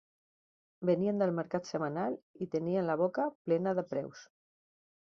Venien del mercat setmanal i tenien la boca plena de preus.